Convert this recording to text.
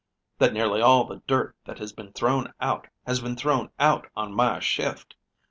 That nearly all the dirt that has been thrown out has been thrown out on my shift.